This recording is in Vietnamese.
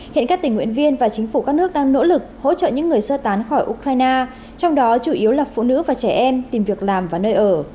hiện các tình nguyện viên và chính phủ các nước đang nỗ lực hỗ trợ những người sơ tán khỏi ukraine trong đó chủ yếu là phụ nữ và trẻ em tìm việc làm và nơi ở